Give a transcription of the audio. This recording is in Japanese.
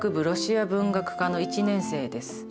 ロシア文学科の１年生です。